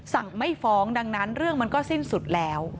ไม่ฟ้องดังนั้นเรื่องมันก็สิ้นสุดแล้ว